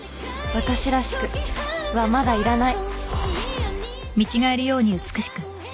「私らしくはまだいらない」